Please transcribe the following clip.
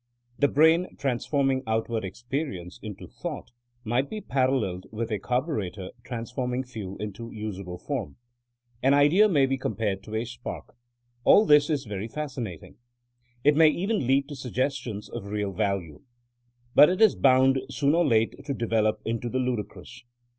The brain, transforming outward experience into thought, might be paralleled with a carburetor transforming fuel into usable form. An idea may be compared to a spark. AU this is very fascinatiQg. It may even lead to suggestions of real value. But it is bound soon or late to develop into the ludicrous.